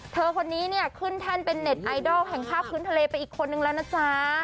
เธอคนนี้เนี่ยขึ้นแท่นเป็นเน็ตไอดอลแห่งภาพพื้นทะเลไปอีกคนนึงแล้วนะจ๊ะ